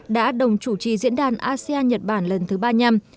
đã đồng chủ trì diễn đàn asean nhật bản lần thứ ba nhầm